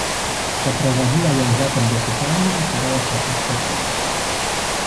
"Zaprowadziła ją zatem do sypialni i starała się uspokoić."